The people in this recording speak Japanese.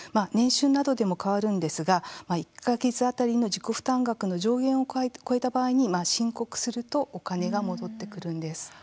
年収などでも変わるんですが１か月当たりの自己負担額の上限を超えた場合に申告するとお金が戻ってくるんです。